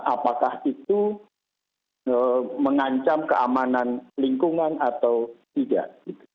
apakah itu mengancam keamanan lingkungan atau tidak